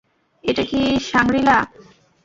এটা কি শাংরি-লা?